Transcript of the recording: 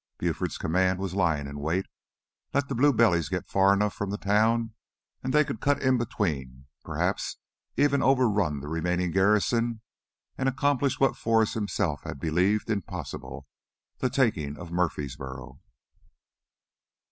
Buford's command was lying in wait let the blue bellies get far enough from the town and they could cut in between, perhaps even overrun the remaining garrison and accomplish what Forrest himself had believed impossible, the taking of Murfreesboro.